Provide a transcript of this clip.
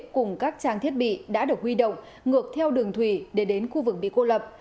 cùng các trang thiết bị đã được huy động ngược theo đường thủy để đến khu vực bị cô lập